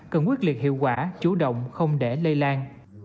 cần quyết liệt hiệu quả chủ động không để lây lan